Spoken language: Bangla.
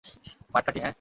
পাটকাঠি, হ্যাঁ?